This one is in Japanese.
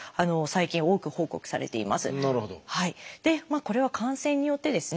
これは感染によってですね